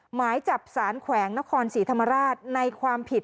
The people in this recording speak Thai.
หมายจับสารแขวงนครศรีธรรมราชในความผิด